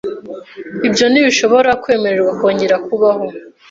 Ibyo ntibishobora kwemererwa kongera kubaho.